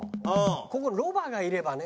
ここロバがいればね。